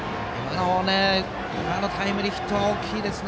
今のタイムリーヒットは大きいですね。